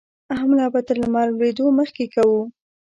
حمله به تر لمر لوېدو مخکې کوو.